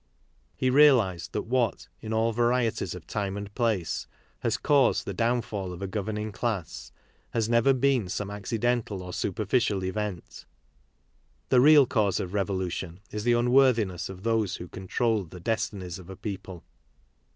He realized that what, in all varieties of time and place, has caused the downfall of a governing class, has never been some accidental or superficial event. The real cause of revolution is the unworthiness of those who controlled the destinies of a people.